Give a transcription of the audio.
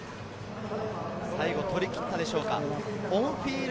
最後、取りきったでしょうか。